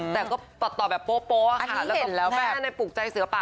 แต่ก็ตัดต่อแบบโปอ่ะค่ะอันนี้เห็นแล้วแบบแถมได้ปลูกใจเสื้อปาก